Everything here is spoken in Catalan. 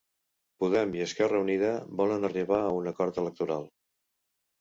Podem i Esquerra Unida volen arribar a un acord electoral